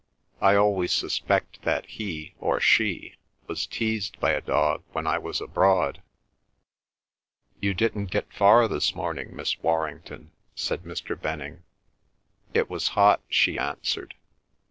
"I always suspect that he (or she) was teased by a dog when I was abroad." "You didn't get far this morning, Miss Warrington," said Mr. Venning. "It was hot," she answered.